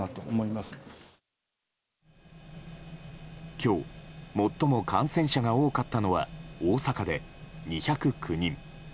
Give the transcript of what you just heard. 今日最も感染者が多かったのは大阪で２０９人。